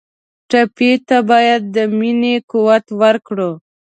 ټپي ته باید د مینې قوت ورکړو.